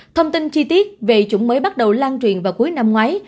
thông tin chi tiết về chủng mới bắt đầu lan truyền vào cuối năm ngoái